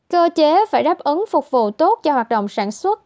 cơ chế phải đáp ứng phục vụ tốt cho hoạt động sản xuất